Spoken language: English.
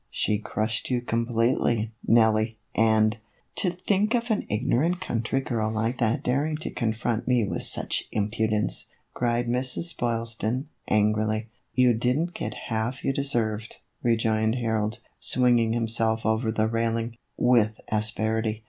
" She crushed you completely, Nelly, and "" To think of an ignorant country girl like that daring to confront me with such impudence !" cried Mrs. Boylston, angrily. "You didn't get half you deserved," rejoined Harold, swinging himself over the railing, with asperity.